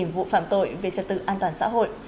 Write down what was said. một mươi vụ phạm tội về trật tự an toàn xã hội